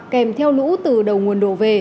kèm theo lũ từ đầu nguồn đổ về